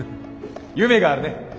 夢があるね。